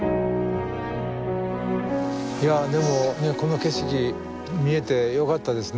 いやでもこの景色見えてよかったですね